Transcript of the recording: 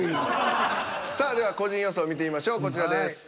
さあでは個人予想見てみましょうこちらです。